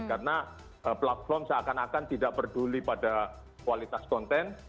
karena platform seakan akan tidak peduli pada kualitas konten